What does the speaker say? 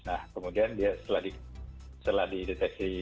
nah kemudian dia setelah dideteksi